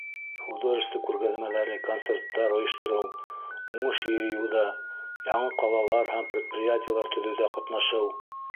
Художество күргәҙмәләре, концерттар ойоштороу, уңыш йыйыуҙа, яңы ҡалалар һәм предприятиелар төҙөүҙә ҡатнашыу...